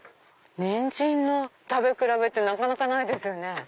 ニンジンの食べ比べってなかなかないですよね。